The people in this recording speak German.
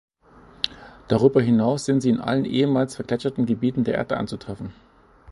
Darüber hinaus sind sie in allen ehemals vergletscherten Gebieten der Erde anzutreffen.